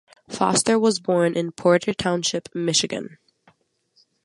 Foster was born in Porter Township Michigan.